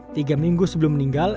tiga minggu sebelum meninggal